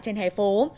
trên hẻ phố